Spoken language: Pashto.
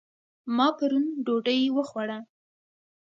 ما پرون ډوډۍ وخوړه